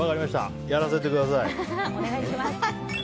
やらせてください！